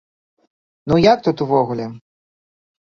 Ну як тут увогуле?